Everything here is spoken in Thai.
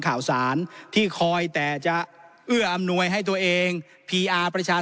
ข่าวสารที่คอยแต่จะเอื้ออำนวยให้ตัวเองพีอาร์ประชา